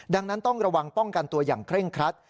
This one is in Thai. ดังนั้นต้องระวังป้องกันตัวอย่างเคร่งครัด